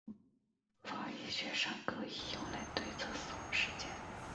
法医学上可以用来推测死亡时间。